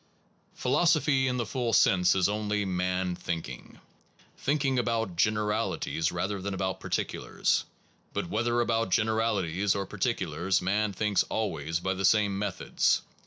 1 Philosophy in the full sense is only man thinking, thinking about generalities rather than about particulars. But whether Philoso phy is about generalities or particulars, only man man thinks always by the same methods.